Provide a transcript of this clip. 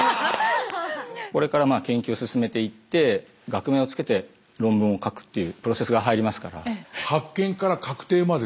これから研究進めていって学名をつけて論文を書くっていうプロセスが入りますから。